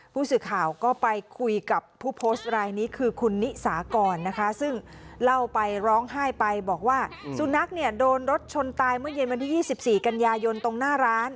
ผู้สื่อข่าวก็ไปคุยกับผู้โพสต์รายนี้คือคุณนิสากรนะคะ